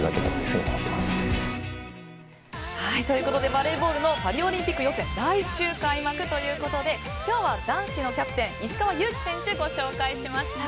バレーボールのパリオリンピック予選来週開幕ということで今日は男子のキャプテン石川祐希選手をご紹介しました。